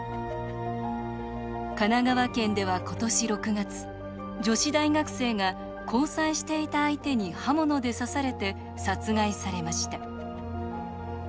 神奈川県では今年６月女子大学生が交際していた相手に刃物で刺されて殺害されました。